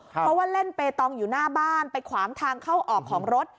เพราะว่าเล่นเปตองอยู่หน้าบ้านไปขวางทางเข้าออกของรถ